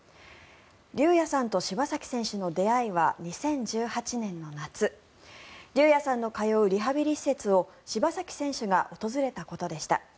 龍弥さんと柴崎選手の出会いは２０１８年の夏龍弥さんの通うリハビリ施設を柴崎選手が訪れたことでした。